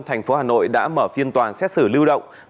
thành phố hà nội đã mở phiên tòa xét xử lưu động